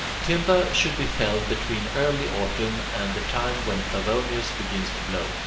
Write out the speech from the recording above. Timber should be felled between early Autumn and the time when Favonius begins to blow.